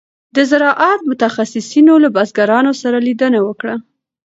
د زراعت متخصصینو له بزګرانو سره لیدنه وکړه.